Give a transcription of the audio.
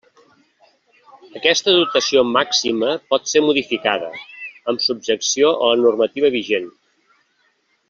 Aquesta dotació màxima pot ser modificada, amb subjecció a la normativa vigent.